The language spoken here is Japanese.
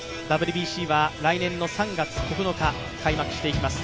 ＷＢＣは来年の３月９日開幕していきます。